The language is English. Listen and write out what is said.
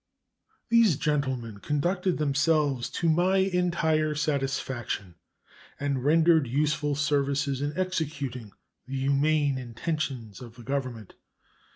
These gentlemen conducted themselves to my entire satisfaction and rendered useful services in executing the humane intentions of the Government.